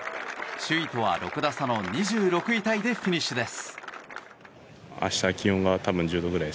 首位とは６打差の２６位タイでフィニッシュです。